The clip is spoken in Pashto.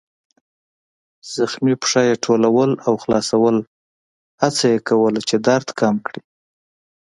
زخمي پښه يې ټولول او خلاصول، هڅه یې کوله چې درد کم کړي.